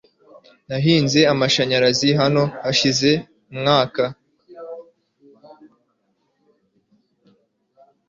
Nahinze amashanyarazi hano hashize umwaka